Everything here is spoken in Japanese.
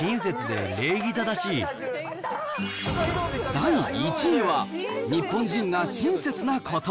第１位は、日本人が親切なこと。